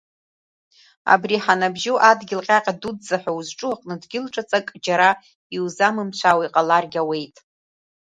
Абри ҳа-Набжьоу адгьыл ҟьаҟьа дуӡӡа ҳәа узҿу аҟны дгьыл ҿаҵак џьара иузамымцәаауа иҟаларгьы ауеит…